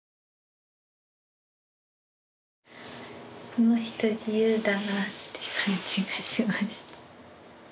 この人自由だなって感じがします。